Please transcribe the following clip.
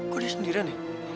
kok dia sendiri nih